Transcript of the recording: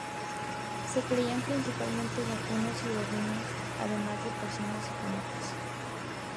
Se crían principalmente vacunos y ovinos, además de porcinos y conejos.